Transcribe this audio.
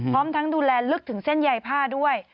พร้อมทั้งดูแลลึกถึงเส้นใยผ้าด้วย